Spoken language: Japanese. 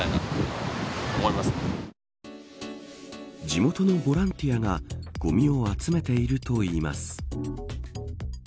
地元のボランティアがごみを集めているといいます。